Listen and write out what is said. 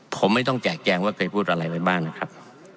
ผมไม่ต้องแจกแจงว่าเคยพูดอะไรไว้บ้างนะครับ